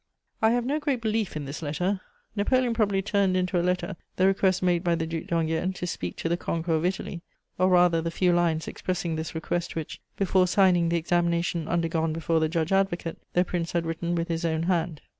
* I have no great belief in this letter: Napoleon probably turned into a letter the request made by the Duc d'Enghien to speak to the conqueror of Italy, or rather the few lines expressing this request which, before signing the examination undergone before the judge advocate, the Prince had written with his own hand.